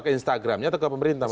ke instagramnya atau ke pemerintah